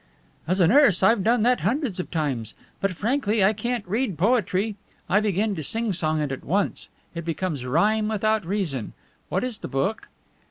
"As a nurse I've done that hundreds of times. But frankly, I can't read poetry; I begin to sing song it at once; it becomes rime without reason. What is the book?"